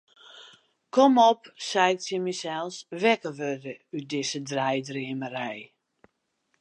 Kom op, sei ik tsjin mysels, wekker wurde út dizze deidreamerij.